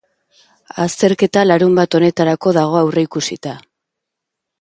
Azterketa larunbat honetarako dago aurreikusita.